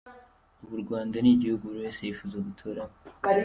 Ubu u Rwanda ni igihugu buri wese yifuza guturamo”.